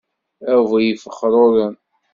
A bu ifexruren!